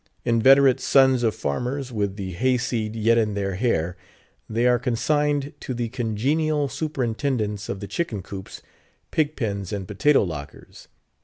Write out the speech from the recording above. Inveterate "sons of farmers," with the hayseed yet in their hair, they are consigned to the congenial superintendence of the chicken coops, pig pens, and potato lockers.